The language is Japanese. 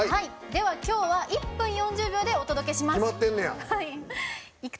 では、きょうは１分４０秒でお届けします。